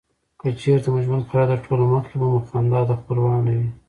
که چیرته مو ژوند خراب شي تر ټولو مخکي به خندا دې خپلوانو وې.